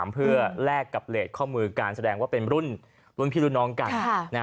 เพื่อแลกกับเลสข้อมือการแสดงว่าเป็นรุ่นพี่รุ่นน้องกัน